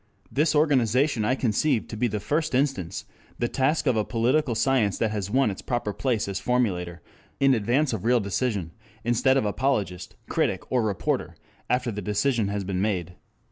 This organization I conceive to be in the first instance the task of a political science that has won its proper place as formulator, in advance of real decision, instead of apologist, critic, or reporter after the decision has been made.